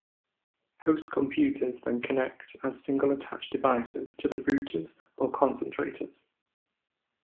Host computers then connect as single-attached devices to the routers or concentrators.